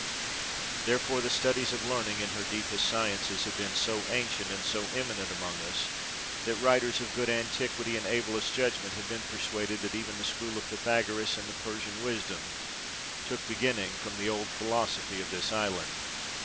Therefore the studies of Learning in her deepest sciences have been so ancient and so eminent among us, that writers of good antiquity and ablest judgment have been persuaded that even the school of Pythagoras and the Persian wisdom took be ginning from the old philosophy of this island.